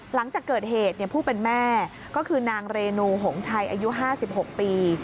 หลังจากเกิดเหตุผู้เป็นแม่ก็คือนางเรนูหงไทยอายุ๕๖ปี